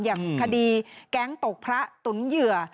อย่างคดีแก๊งตกพระตุ๋นเหยื่อ